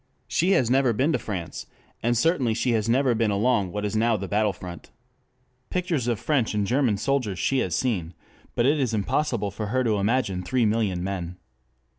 She has never been to France, and certainly she has never been along what is now the battlefront. Pictures of French and German soldiers she has seen, but it is impossible for her to imagine three million men.